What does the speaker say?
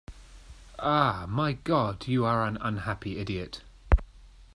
Ah, my God, you are an unhappy idiot!